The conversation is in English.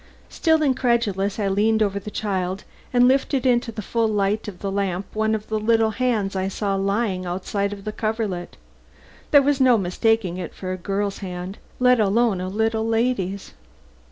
Still incredulous, I leaned over the child and lifted into the full light of the lamp one of the little hands I saw lying outside of the coverlet. There was no mistaking it for a girl's hand, let alone a little lady's.